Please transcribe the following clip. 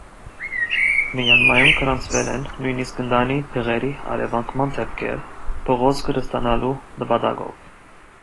Մյանմայում գրանցվել են նույնիսկ ընտանի փղերի առևանգման դեպքեր՝ փղոսկր ստանալու նպատակով։